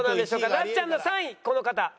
なっちゃんの３位この方。